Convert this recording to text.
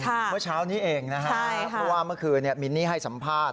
เมื่อเช้านี้เองนะฮะเพราะว่าเมื่อคืนมินนี่ให้สัมภาษณ